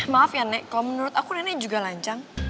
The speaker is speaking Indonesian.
maaf ya nek kalo menurut aku nenek juga lancang